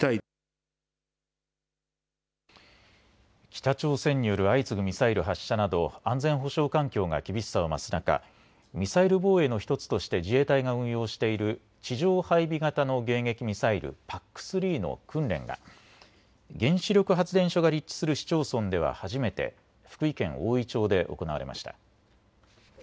北朝鮮による相次ぐミサイル発射など安全保障環境が厳しさを増す中、ミサイル防衛の１つとして自衛隊が運用している地上配備型の迎撃ミサイル、ＰＡＣ３の訓練が原子力発電所が立地する市町村では初めて福井県おおい町で行われました。